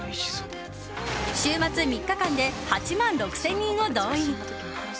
週末３日間で８万６０００人を動員。